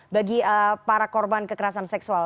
bagi para korban kekerasan seksual